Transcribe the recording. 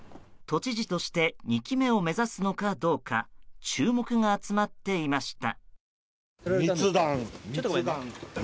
都知事として２期目を目指すのかどうか注目が集まっていました。